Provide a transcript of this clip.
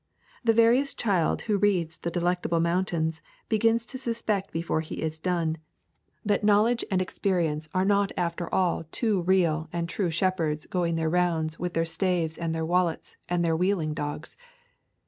The veriest child who reads the Delectable Mountains begins to suspect before he is done that Knowledge and Experience are not after all two real and true shepherds going their rounds with their staves and their wallets and their wheeling dogs.